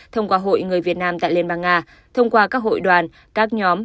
thông qua hội người việt nam tại liên bang nga thông qua các hội đoàn các nhóm